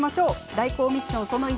代行ミッションその１。